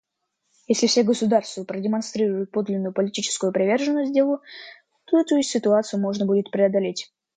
Если все государства продемонстрируют подлинную политическую приверженность делу, то эту ситуацию можно будет преодолеть.